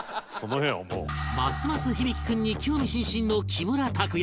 ますます響大君に興味津々の木村拓哉